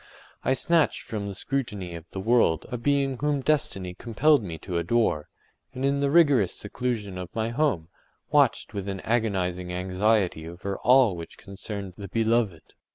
I snatched from the scrutiny of the world a being whom destiny compelled me to adore, and in the rigorous seclusion of my home, watched with an agonizing anxiety over all which concerned the beloved.